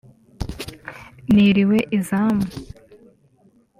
niriwe izamu